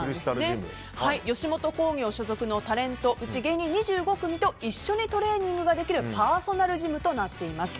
吉本興業所属のタレントうち芸人２５組と一緒にトレーニングができるパーソナルジムとなっています。